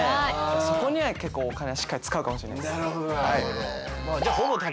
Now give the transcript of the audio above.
そこには結構お金はしっかり使うかもしれないです。